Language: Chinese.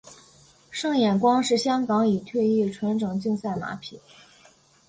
胜眼光是香港已退役纯种竞赛马匹。